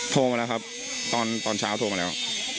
โทรมาแล้วครับตอนเช้าโทรมาแล้ว